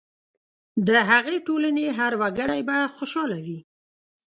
د هغې ټولنې هر وګړی به خوشاله وي.